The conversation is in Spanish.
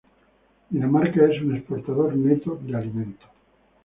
Dinamarca es un exportador neto de alimentos.